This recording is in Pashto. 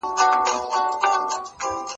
د پوهې او عمل لار.